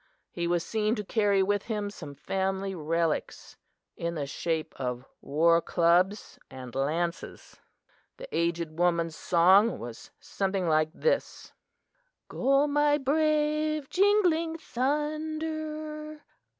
He was seen to carry with him some family relics in the shape of war clubs and lances. "The aged woman's song was something like this: "Go, my brave Jingling Thunder!